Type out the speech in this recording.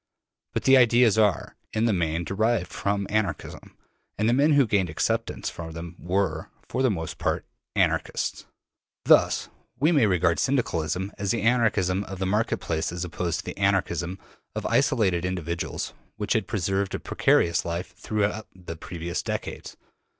But the ideas are, in the main, derived from Anarchism, and the men who gained acceptance for them were, for the most part, Anarchists. Thus we may regard Syndicalism as the Anarchism of the market place as opposed to the Anarchism of isolated individuals which had preserved a precarious life throughout the previous decades.